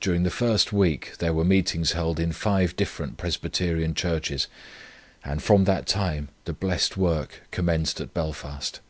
During the first week there were meetings held in five different Presbyterian Churches, and from that time the blessed work commenced at Belfast.